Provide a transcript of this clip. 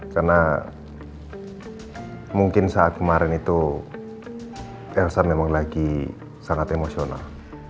karena mungkin saat kemarin itu elsa memang lagi sangat emosional